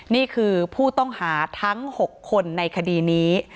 นี่คือผู้ต้องหาทั้ง๖คนในคดีนี้